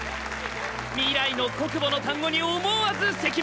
「未来の国母」の単語に思わず赤面。